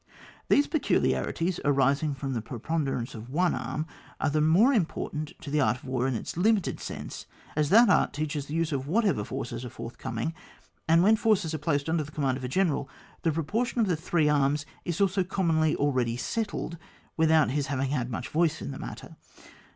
These peculiarities arising from the preponderance of one arm are the more important to the art of war in its limited sense, as that art teaches the use of what ever forces are forthcoming ; and when forces are placed under the command of a general, the proportion of the three arms is also commonly already settled without his having had much voice in the matter.